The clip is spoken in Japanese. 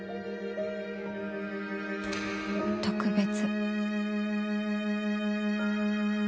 特別